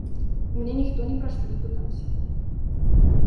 У мяне ніхто ні пра што не пытаўся.